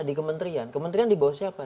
di kementerian kementerian di bawah siapa